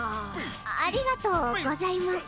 ありがとうございます。